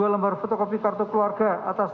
satu lembar fotokopi kartu keluarga